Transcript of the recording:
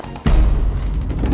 pangeran ikut dinner